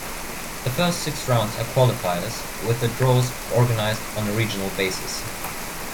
The first six rounds are qualifiers, with the draws organised on a regional basis.